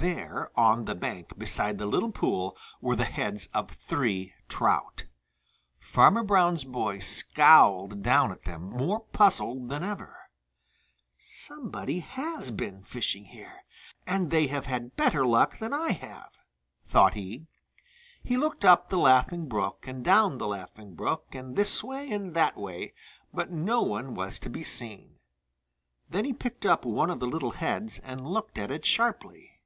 There, on the bank beside the little pool, were the heads of three trout. Farmer Brown's boy scowled down at them more puzzled than ever. "Somebody has been fishing here, and they have had better luck than I have," thought he. He looked up the Laughing Brook and down the Laughing Brook and this way and that way, but no one was to be seen. Then he picked up one of the little heads and looked at it sharply.